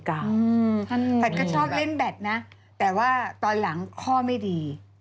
แพทย์ก็ชอบเล่นแบตนะแต่ว่าตอนหลังข้อไม่ดี